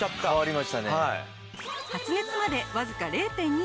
発熱までわずか０．２秒。